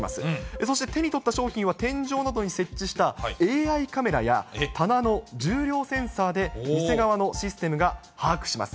そして手に取った商品は、天井などに設置したＡＩカメラや、棚の重量センサーで店側のシステムが把握します。